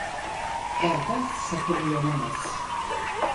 Balta sapını yonamaz.